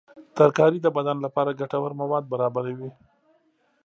ترکاري د بدن لپاره ګټور مواد برابروي.